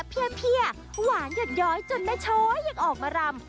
เผี้ยหวานหยดย้อยจนไม่ช้อยอยากออกมารำ